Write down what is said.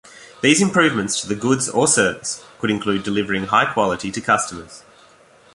These improvements to the goods or service could include delivering high quality to customers.